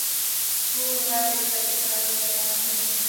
ټول غير شرعي کارونه يې بند کړي دي.